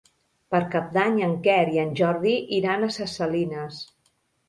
Per Cap d'Any en Quer i en Jordi iran a Ses Salines.